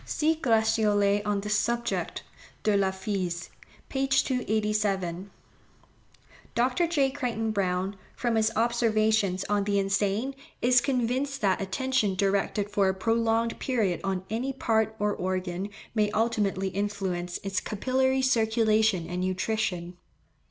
See Gratiolet on this subject, De la Phys. p. 287. Dr. J. Crichton Browne, from his observations on the insane, is convinced that attention directed for a prolonged period on any part or organ may ultimately influence its capillary circulation and nutrition.